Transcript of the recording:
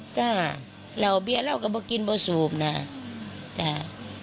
จ้าแล้วว่าเบี้ยเหล่ากับว่ากินว่าซูบนะจ้า